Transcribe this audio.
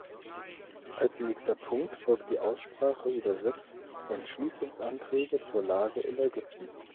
Als nächster Punkt folgt die Aussprache über sechs Entschließungsanträge zur Lage in Ägypten.